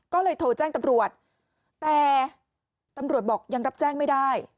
ก็เลยโทรแจ้งตำรวจแต่ตำรวจบอกยังรับแจ้งไม่ได้